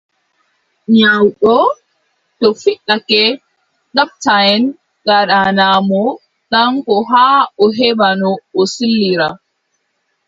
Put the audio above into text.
Nyawɗo to fiɗake, ndoptaʼen ngaɗana mo danko haa o heɓa no o sillira.